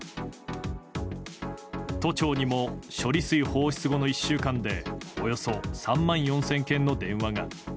都庁にも処理水放出後の１週間でおよそ３万４０００件の電話が。